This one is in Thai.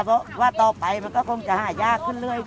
เพราะว่าต่อไปมันก็คงจะหายากขึ้นเรื่อย